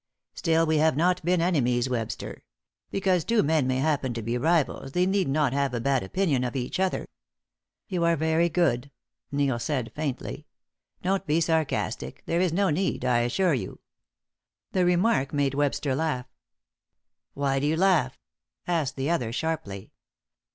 "Still, we have not been enemies, Webster. Because two men may happen to be rivals they need not have a bad opinion of each other." "You are very good," Neil said, faintly. "Don't be sarcastic; there is no need, I assure you." The remark made Webster laugh. "Why do you laugh?" asked the other, sharply.